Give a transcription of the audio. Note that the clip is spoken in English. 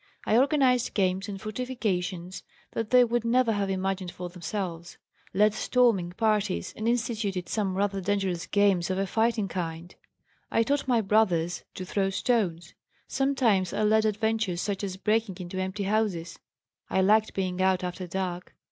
I organized games and fortifications that they would never have imagined for themselves, led storming parties, and instituted some rather dangerous games of a fighting kind. I taught my brothers; to throw stones. Sometimes I led adventures such as breaking into empty houses. I liked being out after dark.